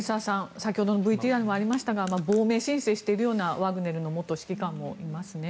先ほどのＶＴＲにもありましたが亡命申請しているようなワグネルの元指揮官もいますね。